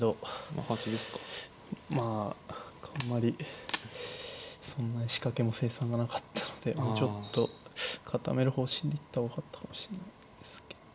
まあ何かあんまりそんなに仕掛けも成算がなかったのでちょっと固める方針で行った方がよかったかもしれないですけど。